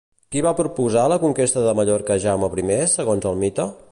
Qui va proposar la conquesta de Mallorca a Jaume I, segons el mite?